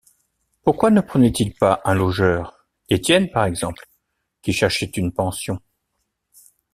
Pourquoi ne prenaient-ils pas un logeur, Étienne par exemple, qui cherchait une pension?